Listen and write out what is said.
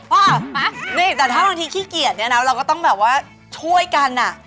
ป่ะนี่แต่ถ้าบางทีขี้เกียจเนี่ยนะเราก็ต้องแบบว่าช่วยกันอ่ะ